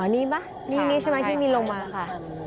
อ๋อนี่ไหมนี่ใช่ไหมที่มีลงมา